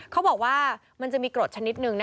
เขาบอกว่ามันจะมีกรดชนิดนึง